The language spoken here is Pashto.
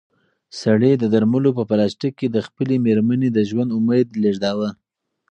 سړي د درملو په پلاستیک کې د خپلې مېرمنې د ژوند امید لېږداوه.